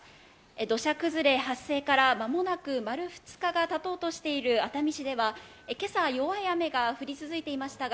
土砂崩れ発生から間もなく丸２日が経とうとしている熱海市では、今朝、弱い雨が降り続いていましたが、